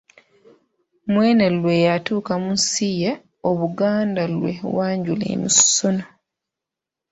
Mwene lwe yatuuka mu nsi ye, Obuganda lwe bwanjula emisono.